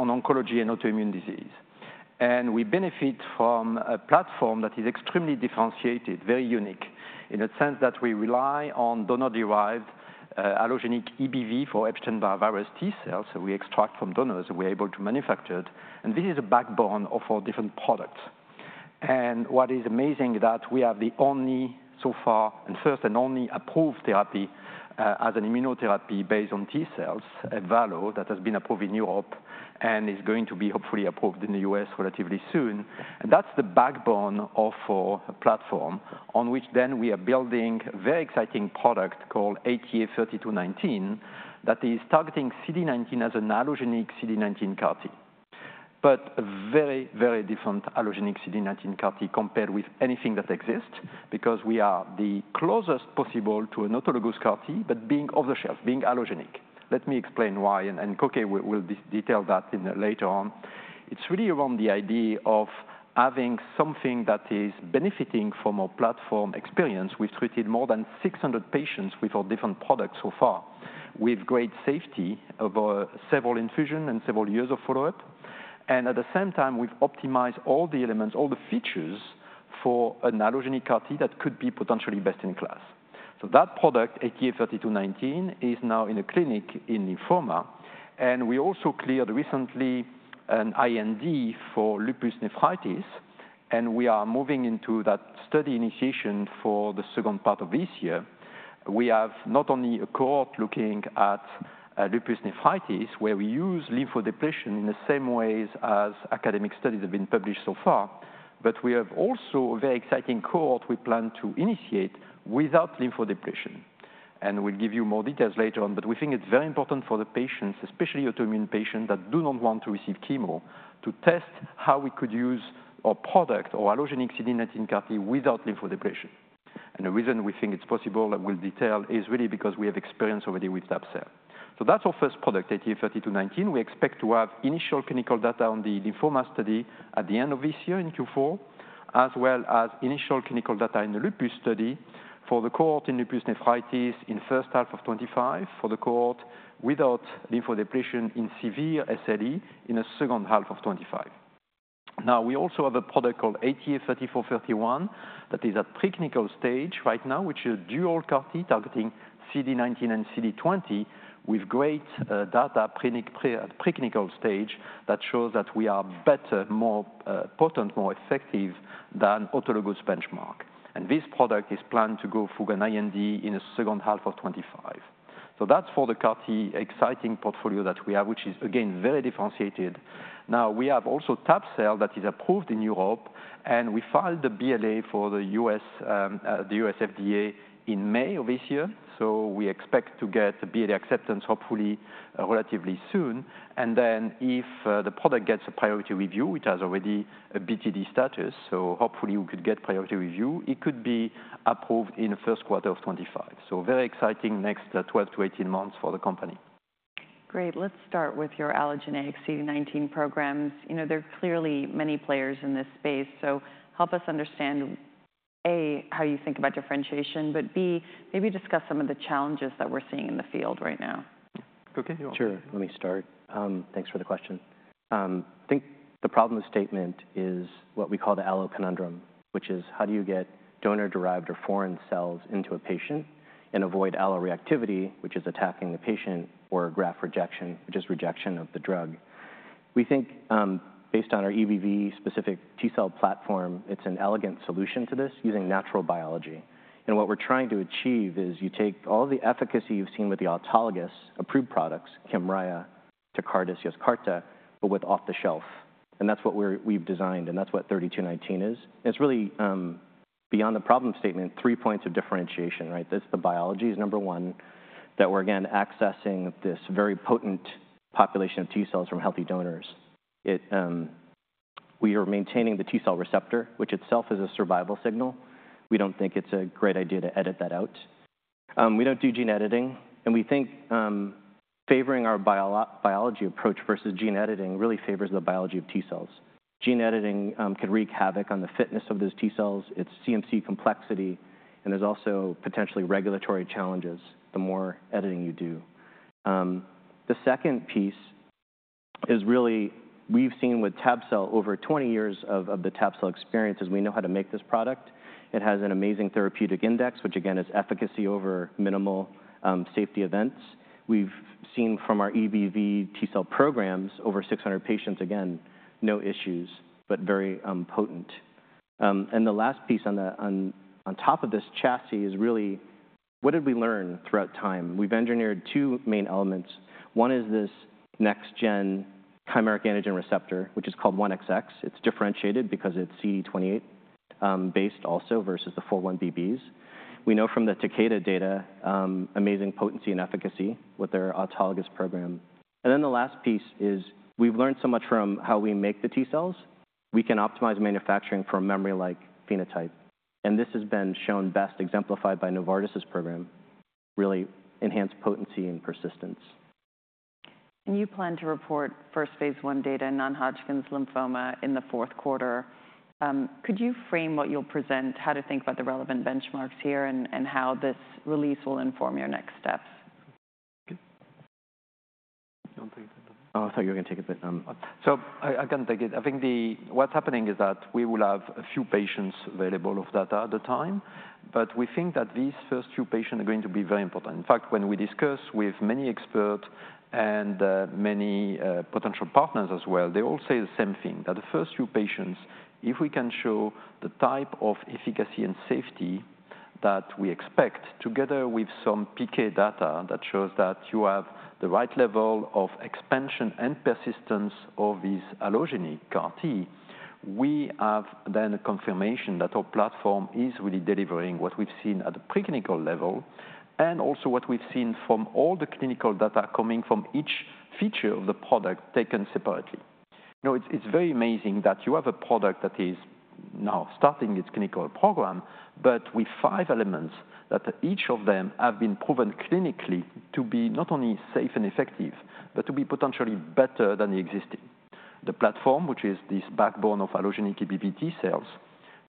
on oncology and autoimmune disease. We benefit from a platform that is extremely differentiated, very unique, in the sense that we rely on donor-derived, allogeneic EBV, or Epstein-Barr Virus T cells, that we extract from donors, and we're able to manufacture it, and this is the backbone of our different products. And what is amazing is that we are the only, so far, and first and only approved therapy, as an immunotherapy based on T cells Ebvallo that has been approved in Europe and is going to be hopefully approved in the U.S. relatively soon. And that's the backbone of our platform, on which then we are building a very exciting product called ATA3219, that is targeting CD19 as an allogeneic CD19 CAR-T. But a very, very different allogeneic CD19 CAR-T compared with anything that exists, because we are the closest possible to an autologous CAR-T, but being off the shelf, being allogeneic. Let me explain why, and, and Cokey will, will detail that later on. It's really around the idea of having something that is benefiting from our platform experience. We've treated more than 600 patients with our different products so far, with great safety over several infusion and several years of follow-up. At the same time, we've optimized all the elements, all the features for an allogeneic CAR-T that could be potentially best in class. So that product, ATA3219, is now in a clinic in lymphoma, and we also cleared recently an IND for lupus nephritis, and we are moving into that study initiation for the second part of this year. We have not only a cohort looking at lupus nephritis, where we use lymphodepletion in the same ways as academic studies have been published so far, but we have also a very exciting cohort we plan to initiate without lymphodepletion. And we'll give you more details later on, but we think it's very important for the patients, especially autoimmune patients, that do not want to receive chemo, to test how we could use a product or allogeneic CD19 CAR-T without lymphodepletion. And the reason we think it's possible, and we'll detail, is really because we have experience already with that cell. So that's our first product, ATA3219. We expect to have initial clinical data on the lymphoma study at the end of this year, in Q4, as well as initial clinical data in the lupus study for the cohort in lupus nephritis in first half of 2025, for the cohort without lymphodepletion in SLE in the second half of 2025. Now, we also have a product called ATA3431, that is at preclinical stage right now, which is dual CAR-T targeting CD19 and CD20, with great data preclinical stage, that shows that we are better, more potent, more effective than autologous benchmark. And this product is planned to go through an IND in the second half of 2025. So that's for the CAR-T exciting portfolio that we have, which is again, very differentiated. Now, we have also tab-cel that is approved in Europe, and we filed the BLA for the U.S., the U.S. FDA in May of this year, so we expect to get the BLA acceptance hopefully relatively soon. And then if the product gets a priority review, it has already a BTD status, so hopefully we could get priority review, it could be approved in the first quarter of 2025. So very exciting next, 12-18 months for the company. Great, let's start with your allogeneic CD19 programs. You know, there are clearly many players in this space, so help us understand, A, how you think about differentiation, but B, maybe discuss some of the challenges that we're seeing in the field right now. Cokey, you want- Sure, let me start. Thanks for the question. I think the problem statement is what we call the allo conundrum, which is: How do you get donor-derived or foreign cells into a patient and avoid alloreactivity, which is attacking the patient, or a graft rejection, which is rejection of the drug? We think, based on our EBV-specific T cell platform, it's an elegant solution to this using natural biology. And what we're trying to achieve is you take all the efficacy you've seen with the autologous approved products, Kymriah, Tecartus, Yescarta, but with off the shelf. And that's what we've designed, and that's what ATA3219 is. It's really, beyond the problem statement, three points of differentiation, right? There's the biology is number one, that we're again, accessing this very potent population of T cells from healthy donors. It... We are maintaining the T cell receptor, which itself is a survival signal. We don't think it's a great idea to edit that out. We don't do gene editing, and we think, favoring our biology approach versus gene editing really favors the biology of T cells. Gene editing, could wreak havoc on the fitness of those T cells, its CMC complexity, and there's also potentially regulatory challenges the more editing you do. The second piece is really, we've seen with tab-cel, over 20 years of the tab-cel experiences, we know how to make this product. It has an amazing therapeutic index, which again, is efficacy over minimal, safety events. We've seen from our EBV T cell programs, over 600 patients, again, no issues, but very, potent. And the last piece on the, on, on top of this chassis is really: What did we learn throughout time? We've engineered two main elements. One is this next-gen chimeric antigen receptor, which is called 1XX. It's differentiated because it's CD28 based also, versus the 4-1BBs. We know from the Takeda data, amazing potency and efficacy with their autologous program. And then the last piece is, we've learned so much from how we make the T cells. We can optimize manufacturing for a memory-like phenotype, and this has been shown best exemplified by Novartis's program, really enhanced potency and persistence. You plan to report first phase 1 data in non-Hodgkin lymphoma in the fourth quarter. Could you frame what you'll present, how to think about the relevant benchmarks here, and how this release will inform your next steps?... Oh, I thought you were going to take it, but, so I, I can take it. I think what's happening is that we will have a few patients available of data at the time, but we think that these first few patients are going to be very important. In fact, when we discuss with many experts and many potential partners as well, they all say the same thing, that the first few patients, if we can show the type of efficacy and safety that we expect, together with some PK data that shows that you have the right level of expansion and persistence of these allogeneic CAR T, we have then a confirmation that our platform is really delivering what we've seen at the preclinical level, and also what we've seen from all the clinical data coming from each feature of the product taken separately. You know, it's very amazing that you have a product that is now starting its clinical program, but with five elements that each of them have been proven clinically to be not only safe and effective, but to be potentially better than the existing. The platform, which is this backbone of allogeneic EBV T cells,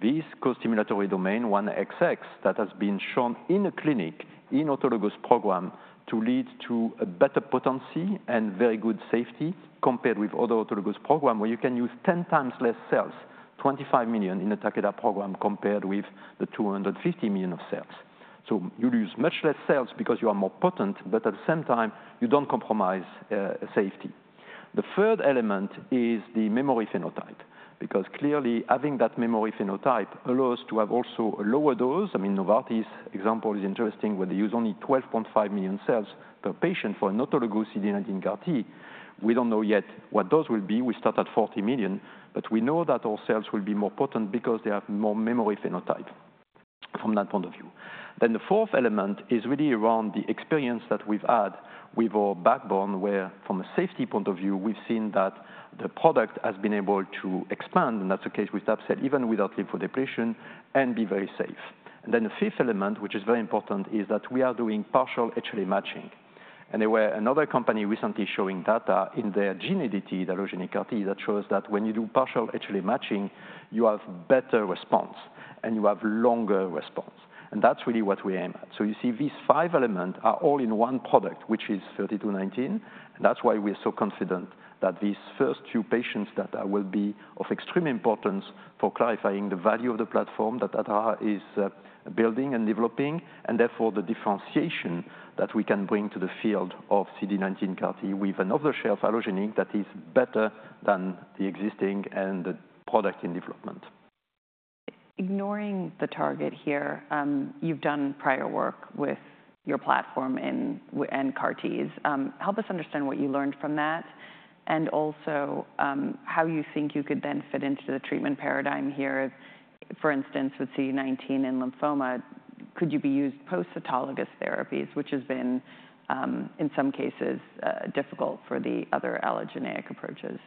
this costimulatory domain 1XX that has been shown in a clinic in autologous program to lead to a better potency and very good safety compared with other autologous program, where you can use 10 times less cells, 25 million in a Takeda program, compared with the 250 million of cells. So you use much less cells because you are more potent, but at the same time, you don't compromise safety. The third element is the memory phenotype, because clearly having that memory phenotype allows to have also a lower dose. I mean, Novartis' example is interesting, where they use only 12.5 million cells per patient for an autologous CD19 CAR T. We don't know yet what those will be. We start at 40 million, but we know that our cells will be more potent because they have more memory phenotype from that point of view. Then the fourth element is really around the experience that we've had with our backbone, where from a safety point of view, we've seen that the product has been able to expand, and that's the case with that cell, even without lymphodepletion, and be very safe. And then the fifth element, which is very important, is that we are doing partial HLA matching. There was another company recently showing data in their gene editing allogeneic CAR T that shows that when you do partial HLA matching, you have better response and you have longer response. And that's really what we aim at. So you see, these five elements are all in one product, which is ATA3219, and that's why we're so confident that these first two patients data will be of extreme importance for clarifying the value of the platform, that data is building and developing, and therefore the differentiation that we can bring to the field of CD19 CAR T with an off-the-shelf allogeneic that is better than the existing and the product in development. Ignoring the target here, you've done prior work with your platform and, and CAR Ts. Help us understand what you learned from that, and also, how you think you could then fit into the treatment paradigm here. For instance, with CD19 and lymphoma, could you be used post-autologous therapies, which has been, in some cases, difficult for the other allogeneic approaches?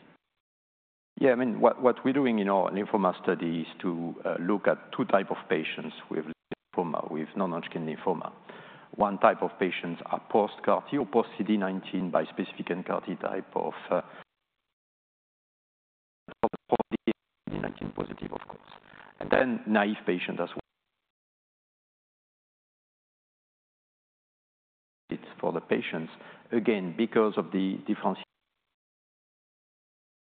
Yeah, I mean, what we're doing in our lymphoma study is to look at two type of patients with lymphoma, with non-Hodgkin lymphoma. One type of patients are post-CAR-T or post-CD19, bispecific and CAR-T type of CD19 positive, of course. And then naive patient as well. It's for the patients, again, because of the different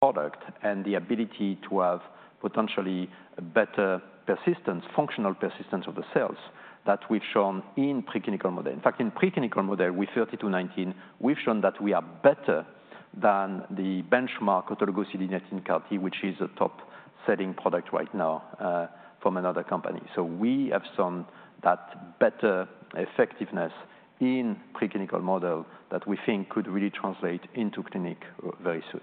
product and the ability to have potentially better persistence, functional persistence of the cells that we've shown in preclinical model. In fact, in preclinical model, with ATA3219, we've shown that we are better than the benchmark autologous CD19 CAR-T, which is a top-selling product right now from another company. So we have shown that better effectiveness in preclinical model that we think could really translate into clinic very soon.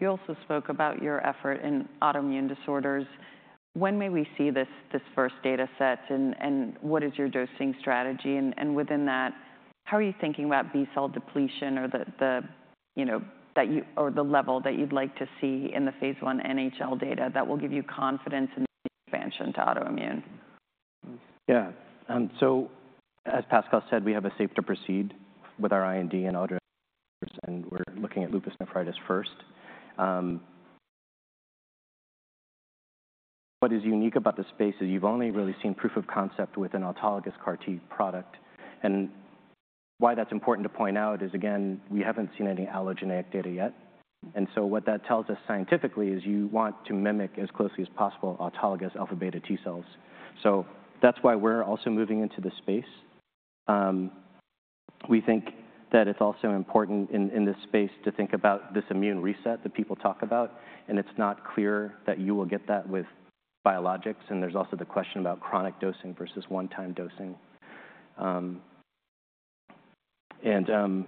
You also spoke about your effort in autoimmune disorders. When may we see this first data set, and what is your dosing strategy? And within that, how are you thinking about B-cell depletion or the, you know, the level that you'd like to see in the phase I NHL data that will give you confidence in the expansion to autoimmune? Yeah. So as Pascal said, we have a safe to proceed with our IND and auto, and we're looking at lupus nephritis first. What is unique about this space is you've only really seen proof of concept with an autologous CAR T product. And why that's important to point out is, again, we haven't seen any allogeneic data yet. And so what that tells us scientifically is you want to mimic as closely as possible autologous alpha-beta T cells. So that's why we're also moving into the space. We think that it's also important in this space to think about this immune reset that people talk about, and it's not clear that you will get that with biologics, and there's also the question about chronic dosing versus one-time dosing. And,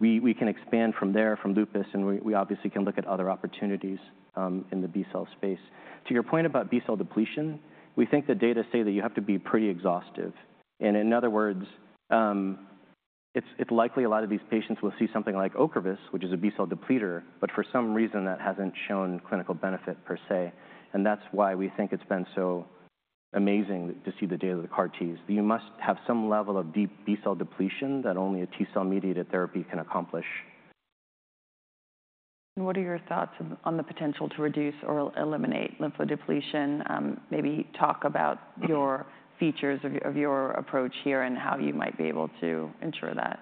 we can expand from there, from lupus, and we obviously can look at other opportunities in the B-cell space. To your point about B-cell depletion, we think the data say that you have to be pretty exhaustive. And in other words, it's likely a lot of these patients will see something like Ocrevus, which is a B-cell depleter, but for some reason, that hasn't shown clinical benefit per se. And that's why we think it's been so amazing to see the data of the CAR-Ts. You must have some level of deep B-cell depletion that only a T-cell-mediated therapy can accomplish.... What are your thoughts on the potential to reduce or eliminate lymphodepletion? Maybe talk about your features of your approach here and how you might be able to ensure that.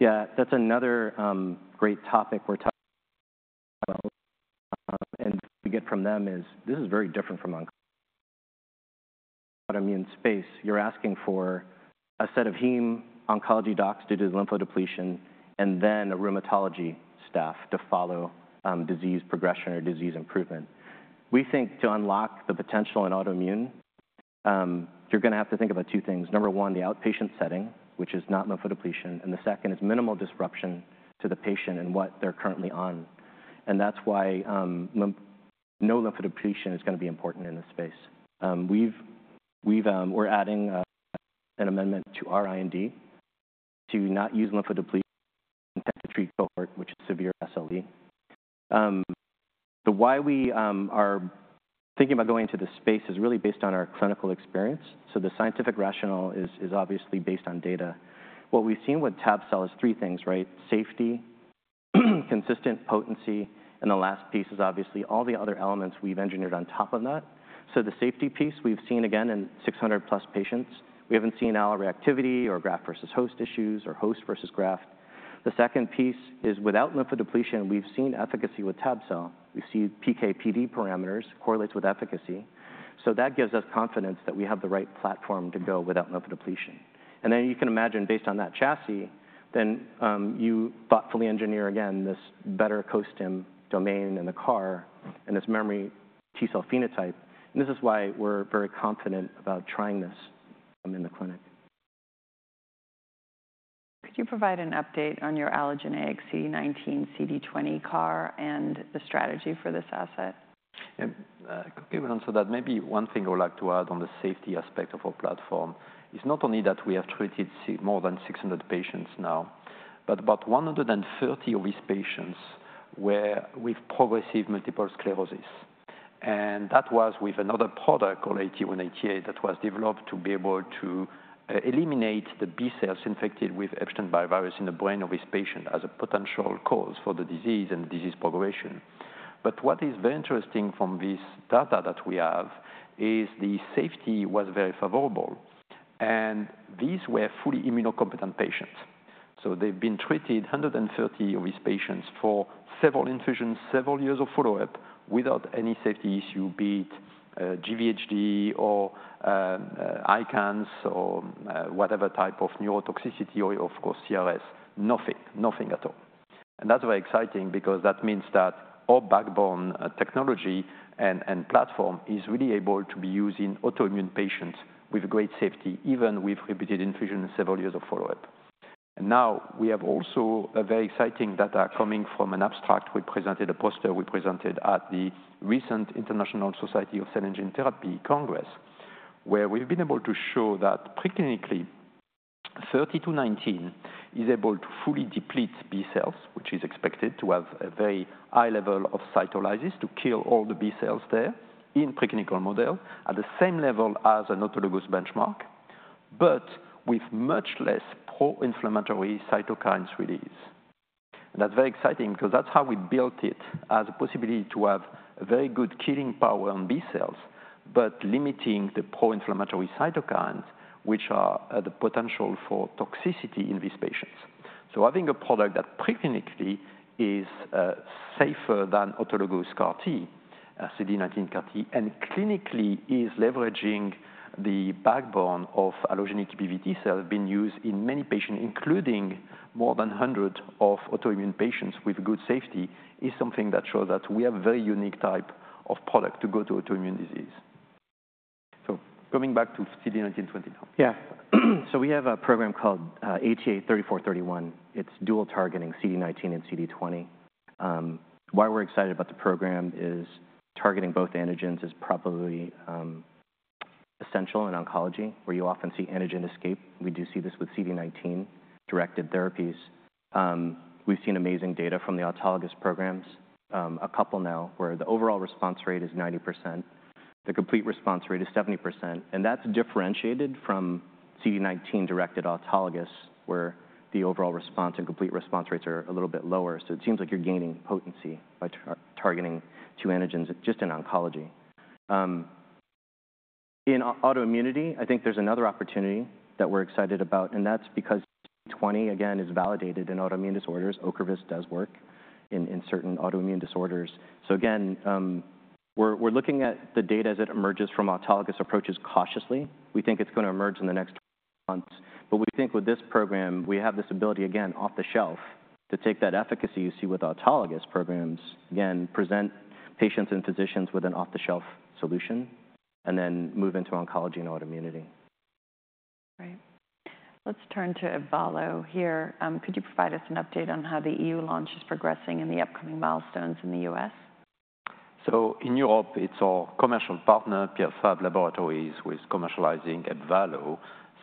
Yeah, that's another great topic we're talking about. And we get from them is, this is very different from oncology. Autoimmune space, you're asking for a set of heme oncology docs to do lymphodepletion, and then a rheumatology staff to follow disease progression or disease improvement. We think to unlock the potential in autoimmune, you're gonna have to think about two things: number one, the outpatient setting, which is not lymphodepletion, and the second is minimal disruption to the patient and what they're currently on. That's why no lymphodepletion is gonna be important in this space. We're adding an amendment to our IND to not use lymphodepletion to treat cohort, which is severe SLE. The why we are thinking about going into this space is really based on our clinical experience, so the scientific rationale is obviously based on data. What we've seen with tab-cel is three things, right? Safety, consistent potency, and the last piece is obviously all the other elements we've engineered on top of that. So the safety piece we've seen again in 600+ patients. We haven't seen alloreactivity or graft versus host issues or host versus graft. The second piece is, without lymphodepletion, we've seen efficacy with tab-cel. We've seen PK/PD parameters, correlates with efficacy, so that gives us confidence that we have the right platform to go without lymphodepletion. And then you can imagine, based on that chassis, then, you thoughtfully engineer again this better co-stim domain in the CAR and this memory T cell phenotype. This is why we're very confident about trying this in the clinic. Could you provide an update on your allogeneic CD19, CD20 CAR and the strategy for this asset? Yeah, given also that maybe one thing I would like to add on the safety aspect of our platform is not only that we have treated more than 600 patients now, but about 130 of these patients were with progressive multiple sclerosis, and that was with another product called ATA188, that was developed to be able to eliminate the B cells infected with Epstein-Barr virus in the brain of this patient as a potential cause for the disease and disease progression. But what is very interesting from this data that we have is the safety was very favorable, and these were fully immunocompetent patients. So they've been treated, 130 of these patients, for several infusions, several years of follow-up, without any safety issue, be it GVHD or ICANS or whatever type of neurotoxicity or, of course, CRS. Nothing. Nothing at all. And that's very exciting because that means that our backbone technology and platform is really able to be used in autoimmune patients with great safety, even with repeated infusion and several years of follow-up. And now we have also a very exciting data coming from an abstract. We presented a poster at the recent International Society of Cell and Gene Therapy Congress, where we've been able to show that preclinically, ATA3219 is able to fully deplete B cells, which is expected to have a very high level of cytolysis to kill all the B cells there in preclinical model at the same level as an autologous benchmark, but with much less pro-inflammatory cytokines release. That's very exciting because that's how we built it as a possibility to have a very good killing power on B cells, but limiting the pro-inflammatory cytokines, which are the potential for toxicity in these patients. So having a product that preclinically is safer than autologous CAR-T CD19 CAR-T, and clinically is leveraging the backbone of allogeneic EBV T-cell have been used in many patients, including more than 100 of autoimmune patients with good safety, is something that shows that we have a very unique type of product to go to autoimmune disease. So coming back to CD19, CD20 now. Yeah. So we have a program called ATA3431. It's dual targeting CD19 and CD20. Why we're excited about the program is targeting both antigens is probably essential in oncology, where you often see antigen escape. We do see this with CD19-directed therapies. We've seen amazing data from the autologous programs, a couple now, where the overall response rate is 90%, the complete response rate is 70%, and that's differentiated from CD19-directed autologous, where the overall response and complete response rates are a little bit lower. So it seems like you're gaining potency by targeting two antigens just in oncology. In autoimmunity, I think there's another opportunity that we're excited about, and that's because twenty, again, is validated in autoimmune disorders. Ocrevus does work in certain autoimmune disorders. So again, we're looking at the data as it emerges from autologous approaches cautiously. We think it's gonna emerge in the next months, but we think with this program, we have this ability, again, off the shelf to take that efficacy you see with autologous programs, again, present patients and physicians with an off-the-shelf solution and then move into oncology and autoimmunity. Right. Let's turn to Ebvallo here. Could you provide us an update on how the EU launch is progressing and the upcoming milestones in the U.S.? So in Europe, it's our commercial partner, Pierre Fabre Laboratories, who is commercializing Ebvallo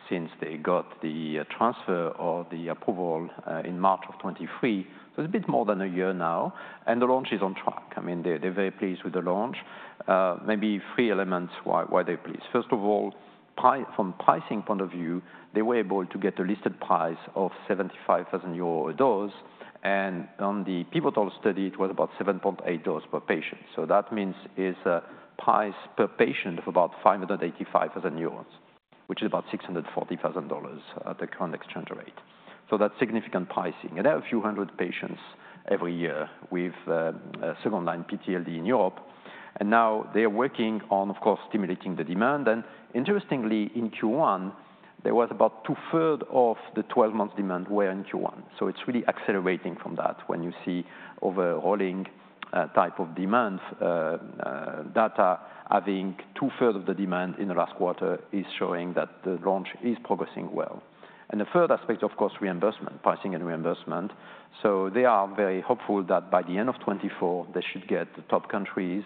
since they got the transfer or the approval in March 2023. So it's a bit more than a year now, and the launch is on track. I mean, they're very pleased with the launch. Maybe three elements why they're pleased. First of all, from pricing point of view, they were able to get a listed price of 75,000 euro a dose, and on the pivotal study, it was about 7.8 doses per patient. So that means is a price per patient of about 585,000 euros, which is about $640,000 at the current exchange rate. So that's significant pricing. They have a few hundred patients every year with second-line PTLD in Europe, and now they are working on, of course, stimulating the demand. Interestingly, in Q1, there was about two-thirds of the twelve-month demand were in Q1. So it's really accelerating from that. When you see overalling type of demands data, I think two-thirds of the demand in the last quarter is showing that the launch is progressing well. The third aspect, of course, reimbursement, pricing and reimbursement. So they are very hopeful that by the end of 2024, they should get the top countries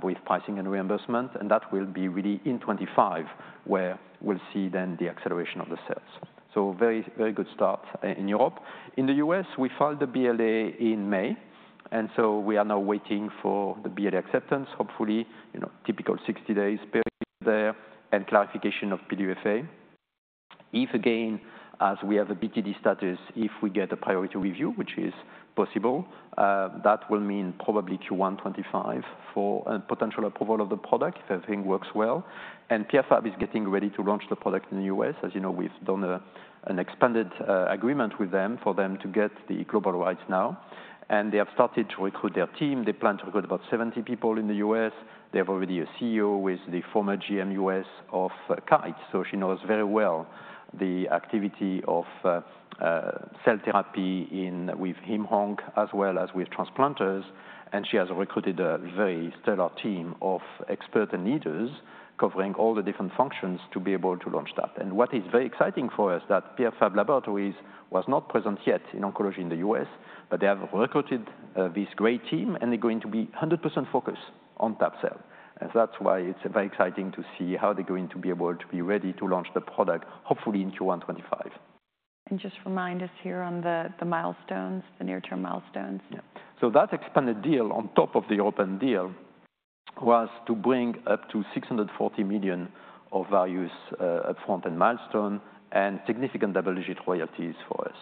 with pricing and reimbursement, and that will be really in 2025, where we'll see then the acceleration of the sales. So very, very good start in Europe. In the U.S., we filed the BLA in May, and so we are now waiting for the BLA acceptance. Hopefully, you know, typical 60 days period there and clarification of PDUFA. If again, as we have a BTD status, if we get a priority review, which is possible, that will mean probably Q1 2025 for a potential approval of the product, if everything works well. And Pierre Fabre is getting ready to launch the product in the U.S. As you know, we've done an expanded agreement with them for them to get the global rights now, and they have started to recruit their team. They plan to recruit about 70 people in the U.S. They have already a CEO with the former G.M. U.S. of Kite, so she knows very well the activity of cell therapy in hem/onc, as well as with transplanters. She has recruited a very stellar team of expert and leaders covering all the different functions to be able to launch that. And what is very exciting for us is that Pierre Fabre Laboratories was not present yet in oncology in the U.S., but they have recruited this great team, and they're going to be 100% focused on that cell. And that's why it's very exciting to see how they're going to be able to be ready to launch the product, hopefully in Q1 2025. Just remind us here on the milestones, the near-term milestones. Yeah. So that expanded deal on top of the open deal was to bring up to $640 million of value, upfront and milestone, and significant double-digit royalties for us.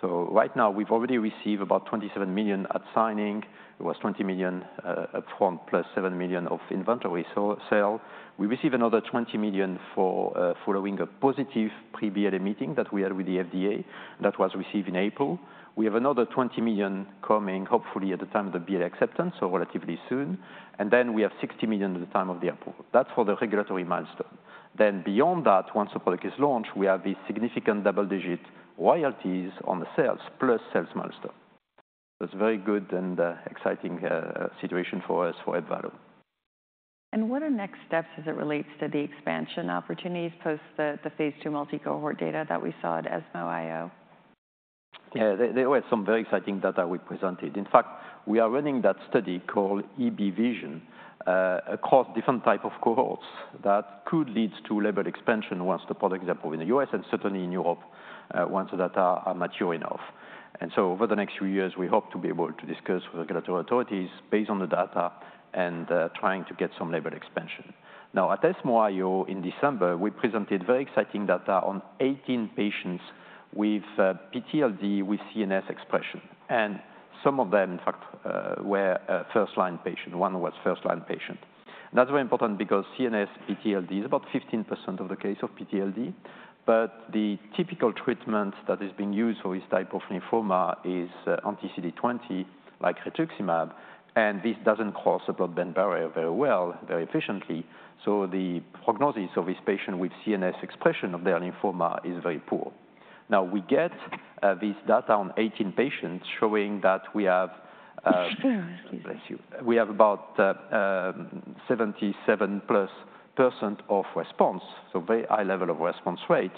So right now, we've already received about $27 million at signing. It was $20 million, upfront, plus $7 million of inventory so sale. We received another $20 million for, following a positive pre-BLA meeting that we had with the FDA. That was received in April. We have another $20 million coming, hopefully at the time of the BLA acceptance, so relatively soon. Then we have $60 million at the time of the approval. That's for the regulatory milestone. Then beyond that, once the product is launched, we have these significant double-digit royalties on the sales, plus sales milestone. So it's very good and, exciting, situation for us, for Atara. What are next steps as it relates to the expansion opportunities post the phase II multi-cohort data that we saw at ESMO IO? Yeah, there, there were some very exciting data we presented. In fact, we are running that study called EB Vision, across different type of cohorts that could lead to label expansion once the products are approved in the U.S. and certainly in Europe, once the data are mature enough. And so over the next few years, we hope to be able to discuss with regulatory authorities based on the data and, trying to get some label expansion. Now, at ESMO IO in December, we presented very exciting data on 18 patients with, PTLD, with CNS expression, and some of them, in fact, were a first-line patient. One was first-line patient. That's very important because CNS PTLD is about 15% of the case of PTLD, but the typical treatment that is being used for this type of lymphoma is anti-CD20, like rituximab, and this doesn't cross the blood-brain barrier very well, very efficiently. So the prognosis of this patient with CNS expression of their lymphoma is very poor. Now, we get this data on 18 patients, showing that we have- Excuse me. Bless you. We have about 77+% response, so very high level of response rate.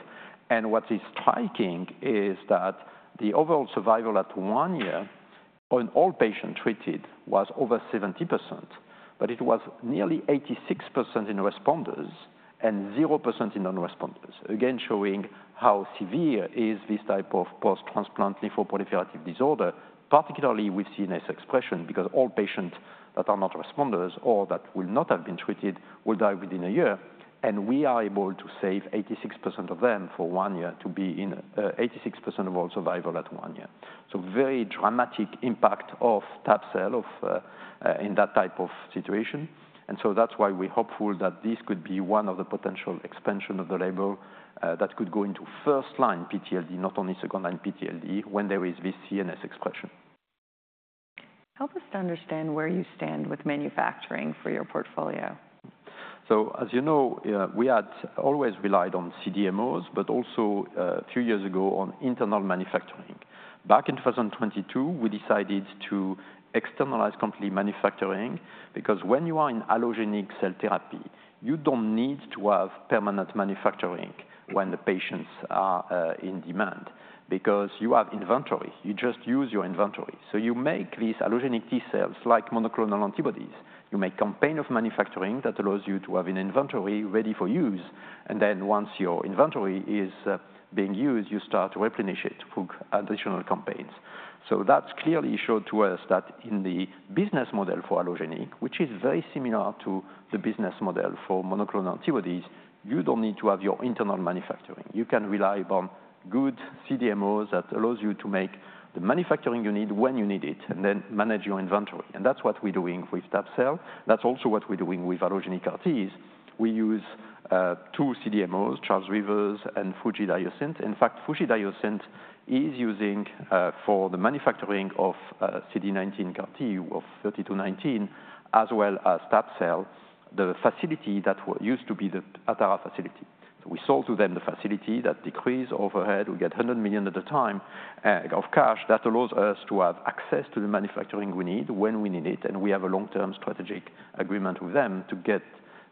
And what is striking is that the overall survival at one year on all patients treated was over 70%, but it was nearly 86% in responders and 0% in non-responders. Again, showing how severe is this type of post-transplant lymphoproliferative disorder, particularly with CNS expression, because all patients that are not responders or that will not have been treated will die within a year, and we are able to save 86% of them for one year to be in 86% of all survival at one year. So very dramatic impact of tab-cel in that type of situation, and so that's why we're hopeful that this could be one of the potential expansion of the label that could go into first-line PTLD, not only second-line PTLD, when there is this CNS expression. Help us to understand where you stand with manufacturing for your portfolio? So, as you know, we had always relied on CDMOs, but also, a few years ago, on internal manufacturing. Back in 2022, we decided to externalize company manufacturing, because when you are in allogeneic cell therapy, you don't need to have permanent manufacturing when the patients are, in demand, because you have inventory. You just use your inventory. So you make these allogeneic T cells like monoclonal antibodies. You make campaign of manufacturing that allows you to have an inventory ready for use, and then once your inventory is, being used, you start to replenish it through additional campaigns.... So that's clearly showed to us that in the business model for allogeneic, which is very similar to the business model for monoclonal antibodies, you don't need to have your internal manufacturing. You can rely upon good CDMOs that allows you to make the manufacturing you need when you need it, and then manage your inventory. And that's what we're doing with tab-cel. That's also what we're doing with allogeneic CAR Ts. We use two CDMOs, Charles River and FUJIFILM Diosynth. In fact, FUJIFILM Diosynth is using for the manufacturing of CD19 CAR T of ATA3219, as well as tab-cel, the facility that used to be the Atara facility. We sold to them the facility. That decreased overhead. We get $100 million at the time of cash. That allows us to have access to the manufacturing we need when we need it, and we have a long-term strategic agreement with them to get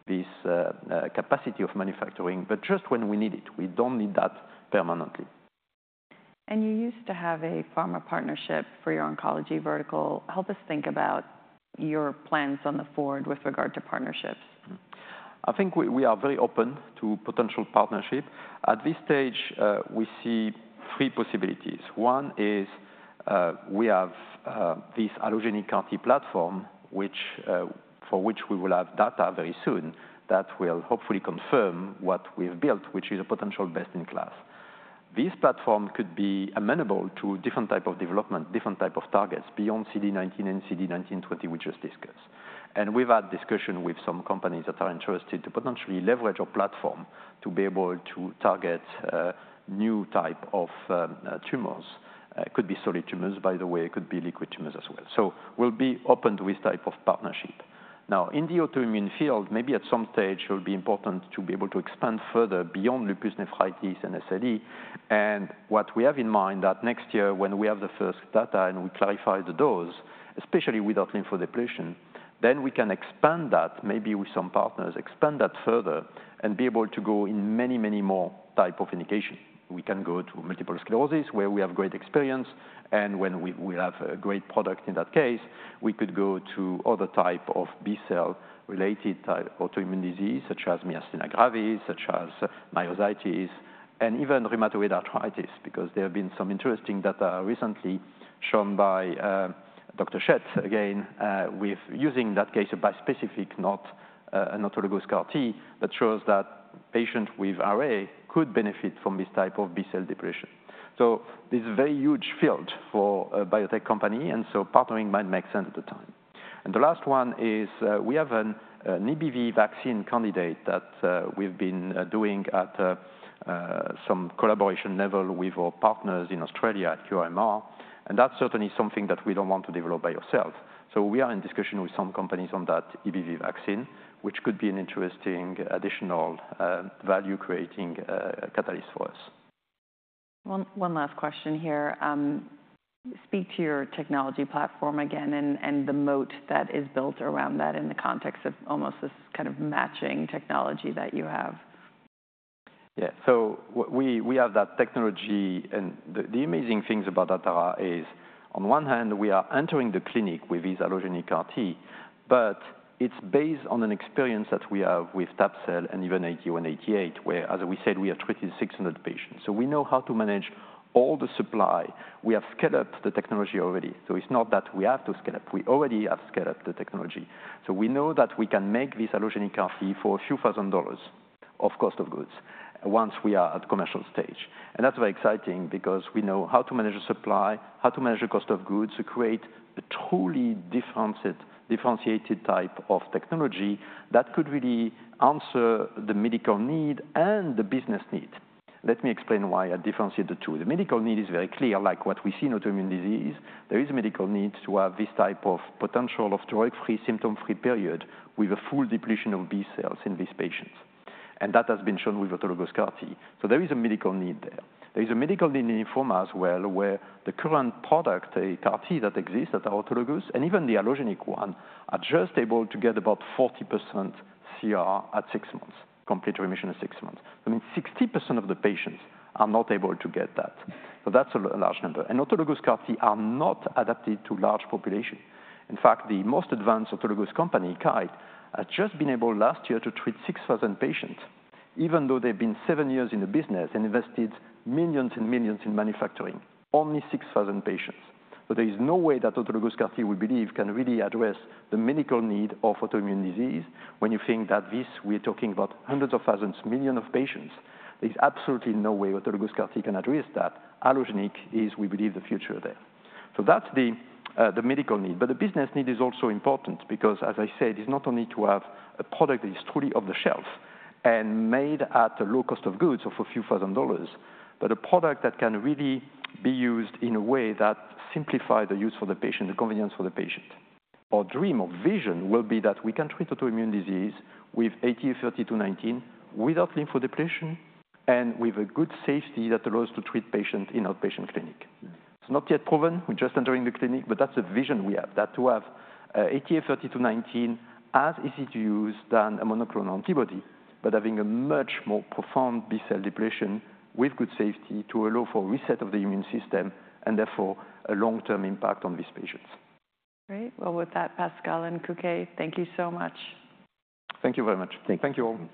this capacity of manufacturing, but just when we need it. We don't need that permanently. You used to have a pharma partnership for your oncology vertical. Help us think about your plans going forward with regard to partnerships. I think we are very open to potential partnership. At this stage, we see three possibilities. One is, we have this allogeneic CAR T platform, which, for which we will have data very soon, that will hopefully confirm what we've built, which is a potential best-in-class. This platform could be amenable to different type of development, different type of targets beyond CD19 and CD20 we just discussed. And we've had discussion with some companies that are interested to potentially leverage our platform to be able to target new type of tumors. Could be solid tumors, by the way, it could be liquid tumors as well. So we'll be open to this type of partnership. Now, in the autoimmune field, maybe at some stage it will be important to be able to expand further beyond lupus nephritis and SLE. What we have in mind that next year, when we have the first data and we clarify the dose, especially with our lymphodepletion, then we can expand that, maybe with some partners, expand that further and be able to go in many, many more type of indication. We can go to multiple sclerosis, where we have great experience, and when we have a great product in that case, we could go to other type of B-cell-related type autoimmune disease, such as myasthenia gravis, such as myositis, and even rheumatoid arthritis, because there have been some interesting data recently shown by Dr. Schett, again, with using that case a bispecific, not an autologous CAR T, that shows that patient with RA could benefit from this type of B-cell depletion. So this is a very huge field for a biotech company, and so partnering might make sense at the time. And the last one is, we have an EBV vaccine candidate that we've been doing at some collaboration level with our partners in Australia at QIMR, and that's certainly something that we don't want to develop by ourselves. So we are in discussion with some companies on that EBV vaccine, which could be an interesting additional value-creating catalyst for us. One last question here. Speak to your technology platform again and the moat that is built around that in the context of almost this kind of matching technology that you have. Yeah. So we, we have that technology, and the amazing things about Atara is, on one hand, we are entering the clinic with this allogeneic CAR T, but it's based on an experience that we have with tab-cel and even ATA188, where, as we said, we have treated 600 patients. So we know how to manage all the supply. We have scaled up the technology already, so it's not that we have to scale up. We already have scaled up the technology. So we know that we can make this allogeneic CAR T for a few thousand dollars of cost of goods once we are at commercial stage. And that's very exciting because we know how to manage the supply, how to manage the cost of goods to create a truly differenced, differentiated type of technology that could really answer the medical need and the business need. Let me explain why I differentiated the two. The medical need is very clear, like what we see in autoimmune disease. There is a medical need to have this type of potential of drug-free, symptom-free period with a full depletion of B cells in these patients, and that has been shown with autologous CAR T. So there is a medical need there. There is a medical need in lymphoma as well, where the current product, a CAR T that exists, that are autologous, and even the allogeneic one, are just able to get about 40% CR at six months, complete remission at six months. That means 60% of the patients are not able to get that, so that's a large number. Autologous CAR T are not adapted to large population. In fact, the most advanced autologous company, Kite, has just been able last year to treat 6,000 patients, even though they've been 7 years in the business and invested millions and millions in manufacturing. Only 6,000 patients. So there is no way that autologous CAR T, we believe, can really address the medical need of autoimmune disease. When you think that this, we're talking about hundreds of thousands, millions of patients, there's absolutely no way autologous CAR T can address that. Allogeneic is, we believe, the future there. So that's the medical need. But the business need is also important because, as I said, it's not only to have a product that is truly off-the-shelf and made at a low cost of goods of $a few thousand, but a product that can really be used in a way that simplify the use for the patient, the convenience for the patient. Our dream, our vision will be that we can treat autoimmune disease with ATA3219, without lymphodepletion, and with a good safety that allows to treat patients in outpatient clinic. It's not yet proven, we're just entering the clinic, but that's the vision we have, that to have, ATA3219 as easy to use than a monoclonal antibody, but having a much more profound B-cell depletion with good safety to allow for reset of the immune system, and therefore, a long-term impact on these patients. Great. Well, with that, Pascal and Cokey, thank you so much. Thank you very much. Thank you. Thank you all.